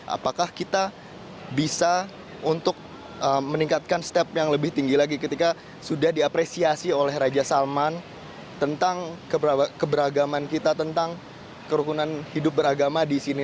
apakah kita bisa untuk meningkatkan step yang lebih tinggi lagi ketika sudah diapresiasi oleh raja salman tentang keberagaman kita tentang kerukunan hidup beragama di sini